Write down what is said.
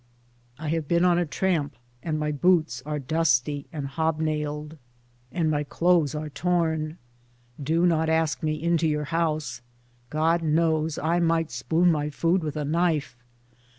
I have been on tramp, and my boots are dusty and hobnailed, and my clothes are torn : do not ask me into your house; (God knows; I might spoon my food with a knife!)